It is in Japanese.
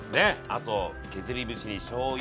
あと削り節にしょうゆも。